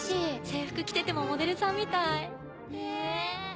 制服着ててもモデルさんみたい。ねぇ。